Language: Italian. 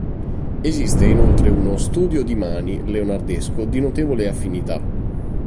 Esiste inoltre uno "Studio di mani" leonardesco di notevole affinità.